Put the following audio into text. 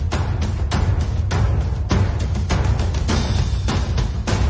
แต่ก็ไม่รู้ว่าจะมีใครอยู่ข้างหลัง